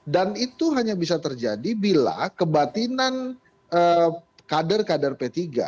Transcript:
dan itu hanya bisa terjadi bila kebatinan kader kader p tiga